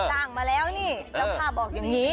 มาแล้วนี่เจ้าภาพบอกอย่างนี้